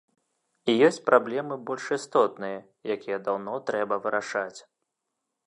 І ёсць праблемы больш істотныя, якія даўно трэба вырашаць.